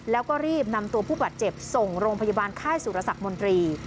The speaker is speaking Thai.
แล้วก็รีบนำตัวผู้บาดเจ็บส่งโรงพยาบาลค่ายสุรสักมนตรี